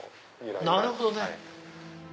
なるほどね。